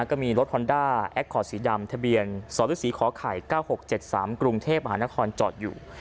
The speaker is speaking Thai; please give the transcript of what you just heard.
ก็มีรถฮอนด้าแอคคอร์ดสีดำทะเบียนสฤษีขอไข่๙๖๗๓กรุงเทพมหานครจอดอยู่